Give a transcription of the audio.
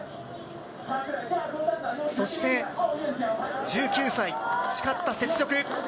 そして１９歳、誓った雪辱。